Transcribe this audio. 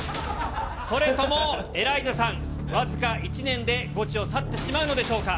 それともエライザさん、僅か１年でゴチを去ってしまうのでしょうか。